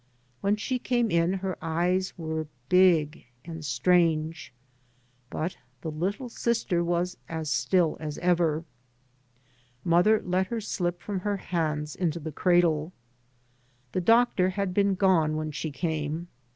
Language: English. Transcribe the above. When she came in her eyes were big and strange, but the little sister was as still as ever. Mother let her slip from her hands into the cradle. The doctor had been gone when she came.